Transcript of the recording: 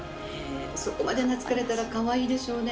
そこまで懐かれたらかわいいでしょうね。